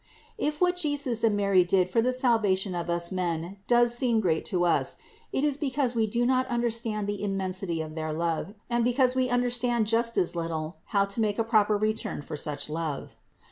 If what Jesus and Mary did for the salvation of us men does seem great to us, it is because we do not understand the immensity of their love, and because we understand just as little how to make a proper return for such love.